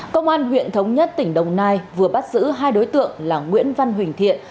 công an huyện thống nhất tỉnh đồng nai vừa bắt giữ hai đối tượng là nguyễn văn huỳnh thiện